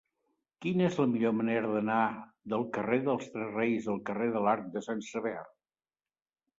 Quina és la millor manera d'anar del carrer dels Tres Reis al carrer de l'Arc de Sant Sever?